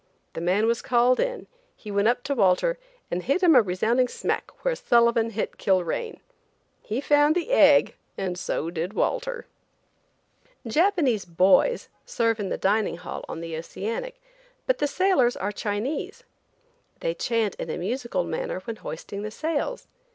The man was called in, he went up to Walter and hit him a resounding smack where Sullivan hit Kilrain. He found the egg and so did Walter! Japanese "boys" serve in the dining hall on the Oceanic, but the sailors are Chinese. They chant in a musical manner when hoisting sails.